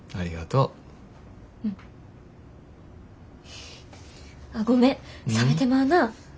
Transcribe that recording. うん。あっごめん冷めてまうな。